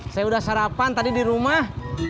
saya udah sarapan tadi di rumah